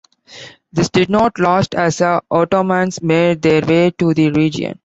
This did not last as the Ottomans made their way to the region.